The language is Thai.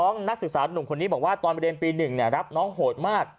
นักศึกษานุ่มคนนี้บอกว่าตอนเรียนปี๑รับน้องโหดมาก